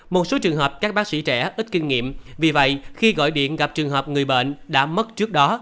một số trường hợp các bác sĩ trẻ ít kinh nghiệm vì vậy khi gọi điện gặp trường hợp người bệnh đã mất trước đó